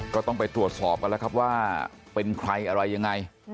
ก็ต้องไปตรวจสอบกันแล้วครับว่าเป็นใครอะไรยังไง